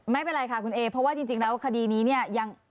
ไม่เป็นไรค่ะคุณเอเพราะว่าจริงแล้วคดีนี้เนี่ยยัง